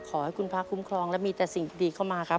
ขอให้คุณพระคุ้มครองและมีแต่สิ่งดีเข้ามาครับ